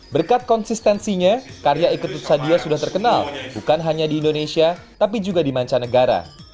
berkat konsistensinya karya iketut sadia sudah terkenal bukan hanya di indonesia tapi juga di mancanegara